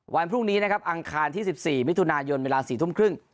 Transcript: วันพรุ่งนี้นะครับอังคารที่๑๔มิถุนายนเวลา๔ทุ่มครึ่ง